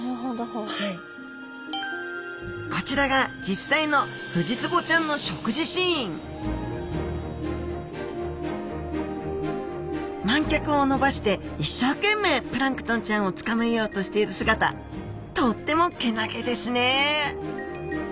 こちらが実際のフジツボちゃんの食事シーン蔓脚をのばして一生懸命プランクトンちゃんをつかまえようとしている姿とってもけなげですね。